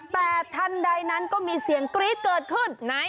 แต่ทันใดนั้นก็มีเสียงกรี๊ดเกิดขึ้น